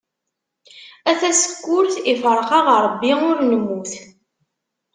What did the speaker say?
A tasekkurt, ifreq-aɣ Rebbi ur nemmut.